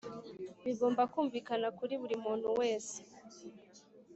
bigomba kumvikana kuri buri muntu wese